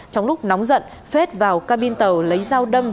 trong lúc nóng giận phết vào ca bin tàu lấy dao đâm